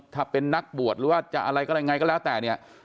ถ้าเป็นนักบวชหรือว่าจะอะไรก็อะไรไงก็แล้วแต่เนี่ย